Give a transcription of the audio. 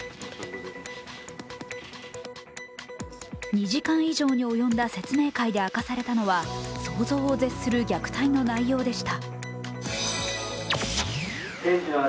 ２時間以上に及んだ説明会で明かされたのは想像を絶する虐待の内容でした。